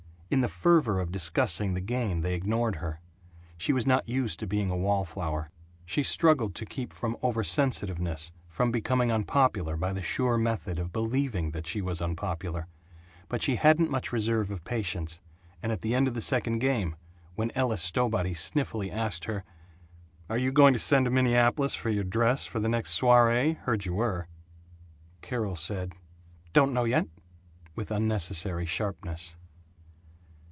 In the fervor of discussing the game they ignored her. She was not used to being a wallflower. She struggled to keep from oversensitiveness, from becoming unpopular by the sure method of believing that she was unpopular; but she hadn't much reserve of patience, and at the end of the second game, when Ella Stowbody sniffily asked her, "Are you going to send to Minneapolis for your dress for the next soiree heard you were," Carol said "Don't know yet" with unnecessary sharpness.